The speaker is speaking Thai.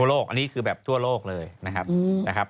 โลกอันนี้คือแบบทั่วโลกเลยนะครับ